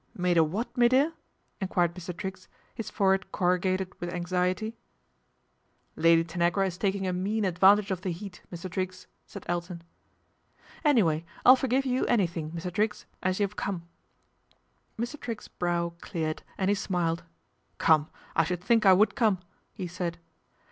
" Made a what, me dear ?" enquired Mr. riggs, his forehead corrugated with anxiety. " Lady Tanagra is taking a mean advantage of tie heat, Mr. Triggs," said Elton. ' Anyway, I'll forgive you anything, Mr. Triggs, s you have come," said Lady Tanagra. Mr. Triggs's brow cleared and he smiled. "Come! I should think I would come," he aid.